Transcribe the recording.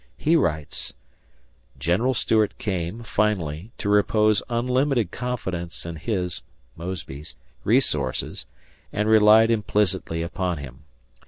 He writes: General Stuart came, finally, to repose unlimited confidence in his (Mosby's) resources and relied implicitly upon him.